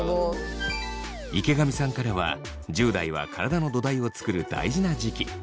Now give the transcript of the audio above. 池上さんからは１０代は体の土台を作る大事な時期。